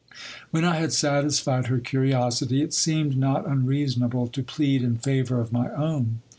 When I had satisfied her curiosity, it seemed not unreasonable to plead in favour of my own.